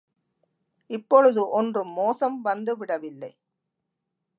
இப்பொழுது ஒன்றும் மோசம் வந்து விடவில்லை.